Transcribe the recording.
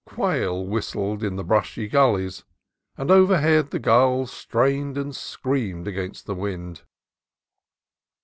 Quail whistled in the brushy gullies, and overhead the gulls strained and screamed against the wind.